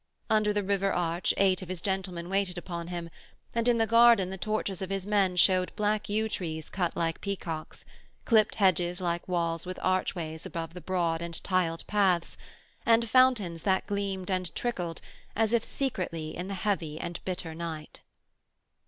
Under the river arch eight of his gentlemen waited upon him, and in the garden the torches of his men shewed black yew trees cut like peacocks, clipped hedges like walls with archways above the broad and tiled paths, and fountains that gleamed and trickled as if secretly in the heavy and bitter night.